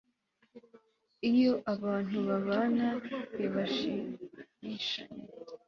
iyo abantu babana ntibashimishanye